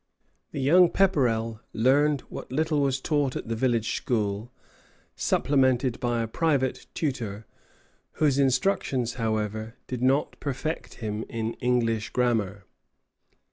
The young Pepperrell learned what little was taught at the village school, supplemented by a private tutor, whose instructions, however, did not perfect him in English grammar.